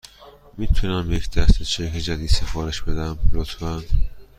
می تونم یک دسته چک جدید سفارش بدهم، لطفاً؟